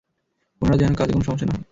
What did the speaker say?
ওনার যেন কাজে কোনো সমস্যা না হয়।